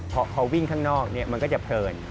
พอวิ่งข้างนอกมันก็จะเพลิน